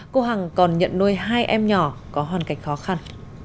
cô hằng còn nhận nuôi hai em nhỏ có hoàn cảnh khó khăn